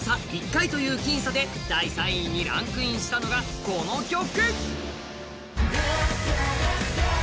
１回という僅差で第３位にランクインしたのがこの曲。